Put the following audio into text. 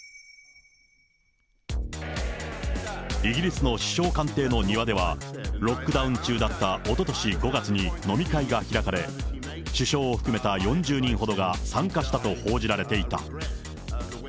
イギリスの首相官邸の庭では、ロックダウン中だったおととし５月に飲み会が開かれ、首相を含めた４０人ほどが参加したと報じられていた。